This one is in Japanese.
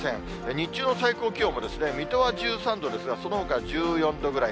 日中の最高気温も水戸は１３度ですが、そのほか１４度ぐらい。